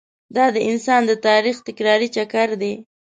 دا د انسان د تاریخ تکراري چکر دی.